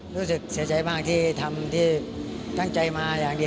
รู้สึกเสียใจมากที่ทำที่ตั้งใจมาอย่างดี